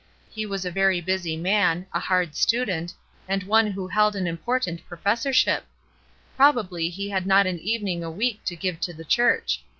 He was a very busy man, a hard student, and one who held an important professorship; probably he had not an evening a week to give to the church.